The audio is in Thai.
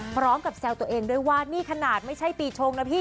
แซวตัวเองด้วยว่านี่ขนาดไม่ใช่ปีชงนะพี่